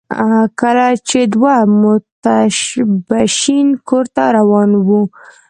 کله چې دوه متشبثین کور ته روان وو